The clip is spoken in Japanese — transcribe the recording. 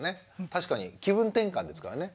確かに気分転換ですからね。